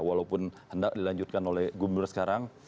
walaupun hendak dilanjutkan oleh gubernur sekarang